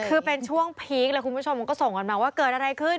คือเป็นช่วงพีคเลยคุณผู้ชมก็ส่งกันมาว่าเกิดอะไรขึ้น